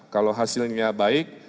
kalau hasilnya baik